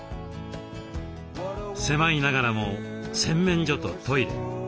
狭いながらも洗面所とトイレ